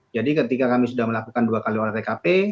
jadi ketika kami sudah melakukan dua kali oleh tkp